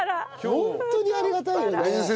ホントにありがたいよね。